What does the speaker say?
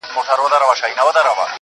او په خمارو ماښامونو کي به ځان ووينم_